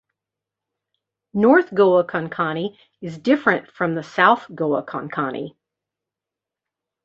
North Goa Konkani is different from the South Goa Konkani.